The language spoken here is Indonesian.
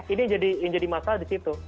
ini yang jadi masalah disitu